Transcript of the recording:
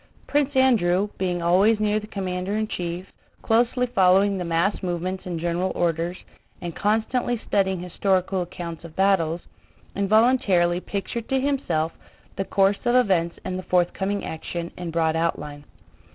Prince Andrew, being always near the commander in chief, closely following the mass movements and general orders, and constantly studying historical accounts of battles, involuntarily pictured to himself the course of events in the forthcoming action in broad outline.